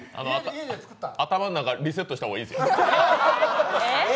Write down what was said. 頭の中、リセットした方がいいですよ。